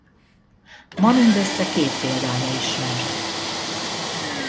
Ma mindössze két példánya ismert.